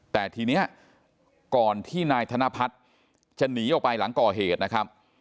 แต่ทีนี้ก่อนที่นายธนพัฒน์จะหนีออกไปหลังก่อเหตุนะครับ